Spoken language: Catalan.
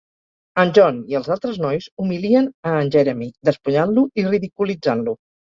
En John i els altres nois humilien a en Jeremy, despullant-lo i ridiculitzant-lo.